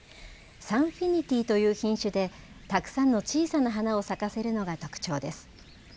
サンフィニティという品種でたくさんの小さな花を咲かせるのが特徴です。